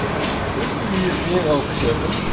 Kunt u hier meer over zeggen?